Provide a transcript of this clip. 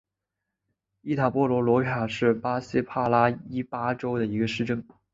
伊塔波罗罗卡是巴西帕拉伊巴州的一个市镇。